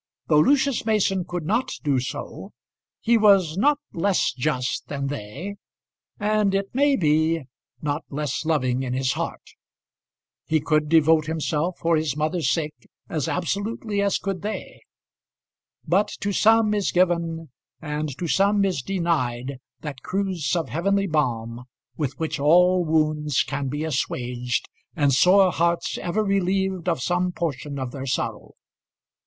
Though Lucius Mason could not do so, he was not less just than they, and, it may be, not less loving in his heart. He could devote himself for his mother's sake as absolutely as could they. But to some is given and to some is denied that cruse of heavenly balm with which all wounds can be assuaged and sore hearts ever relieved of some portion of their sorrow.